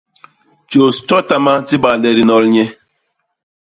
Tjôs tjotama di bak le di nol nye.